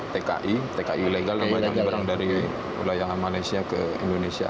tki tki legal namanya yang diberang dari wilayah malaysia ke indonesia